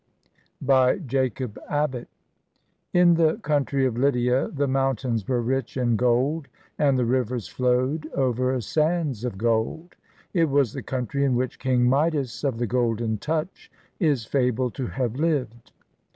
] BY JACOB ABBOTT [In the country of Lydia, the mountains were rich in gold, and the rivers flowed over sands of gold. It was the country in which King Midas of the "golden touch " is fabled to have lived.